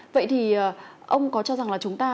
vậy thì ông có cho rằng là chúng ta